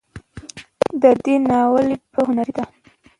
د دې ناول ژبه هنري ده